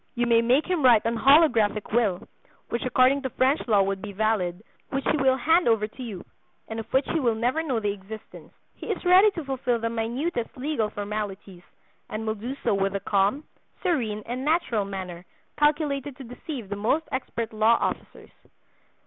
You may make him write an holographic will (which according to French law would be valid), which he will hand over to you, and of which he will never know the existence. He is ready to fulfill the minutest legal formalities, and will do so with a calm, serene and natural manner calculated to deceive the most expert law officers.